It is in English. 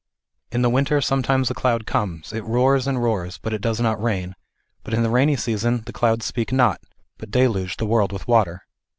"In the winter sometimes a cloud comes ; it roars and roars, but it does not rain ; but in the rainy season the clouds speak not, but deluge the world with water."